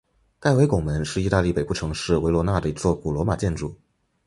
盖维拱门是意大利北部城市维罗纳的一座古罗马建筑。